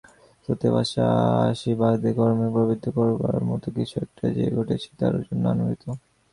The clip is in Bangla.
স্রোতে-ভাসা আশাবাদীকে কর্মে প্রবৃত্ত করবার মত কিছু একটা যে ঘটেছে, তার জন্য আনন্দিত।